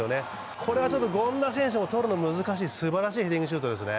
これは権田選手もとるのが難しいすばらしいヘディングですね。